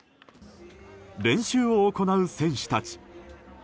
練習を行う選手たち。